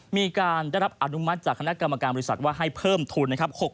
มีการได้รับอนุมัติจากคณะกรรมการบริษัทว่าให้เพิ่มทุนนะครับ